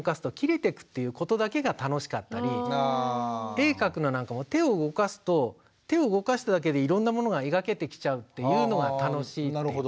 絵を描くのなんかも手を動かすと手を動かしただけでいろんなものが描けてきちゃうっていうのが楽しいっていうか。